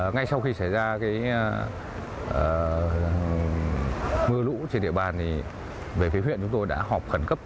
ngay sau khi xảy ra mưa lũ trên địa bàn về phía huyện chúng tôi đã họp khẩn cấp